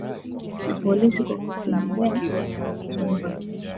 na polisi kwa kukipendelea chama tawala cha Zanu